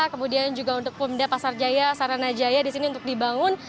kemudian juga untuk pemda pasar jaya sarana jaya disini untuk dibangun